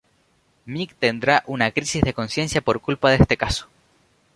Mick tendrá una crisis de conciencia por culpa de este caso.